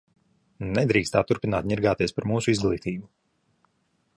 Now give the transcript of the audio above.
Nedrīkst tā turpināt ņirgāties par mūsu izglītību!